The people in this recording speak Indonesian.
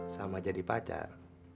sama jadi pacar